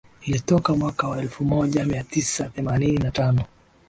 Ilitoka mwaka wa elfu moja mia tisa themanini na tano